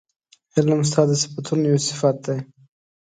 علم ستا د صفتونو یو صفت دی